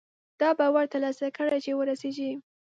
دا باور ترلاسه کړي چې وررسېږي.